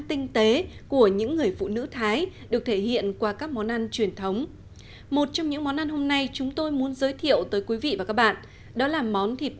hãy đăng kí cho kênh lalaschool để không bỏ lỡ những video hấp dẫn